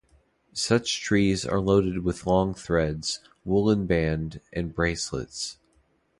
Such trees are loaded with long threads, woollen band, and bracelets.